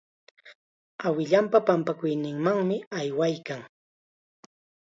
Awilanpa pampakuyninmanmi aywaykan.